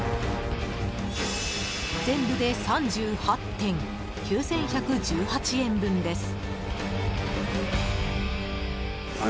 全部で３８点９１１８円分です。